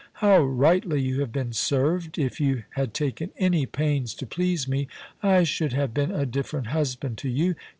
How rightly you have been served ! If you had taken any pains to please me, I should have been a different husband to you.